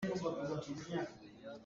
Keimah nih pei ka'n hmuh cu.